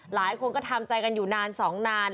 หลายคนก็ทำใจกันอยู่นานสองนาน